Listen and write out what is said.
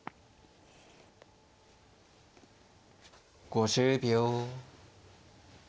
５０秒。